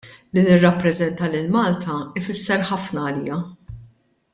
Li nirrappreżenta lil Malta jfisser ħafna għalija.